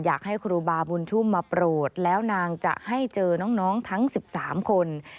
อยากให้ครูบาบุญชุ่มมาโปรดแล้วนางจะให้เจอน้องทั้ง๑๓คน